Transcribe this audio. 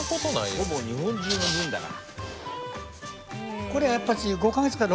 ほぼ日本中の分だから。